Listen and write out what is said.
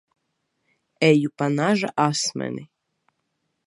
Eju pa naža asmeni.